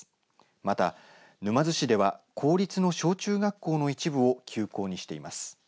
また沼津市では公立の小中学校の一部を休校にしています。